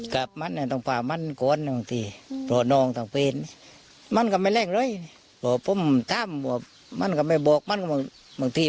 กะมั้นต้องฝามั้นโกนบางที